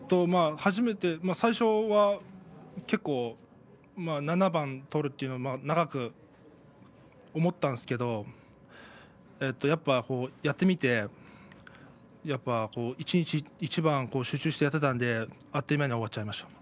最初は結構７番取るというのは長く思ったんですけどやっぱ、やってみて一日一番、集中してやっていたのであっという間に終わっていました。